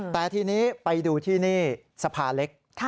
แต่ทีนี้ไปดูที่นี่สภาเล็ก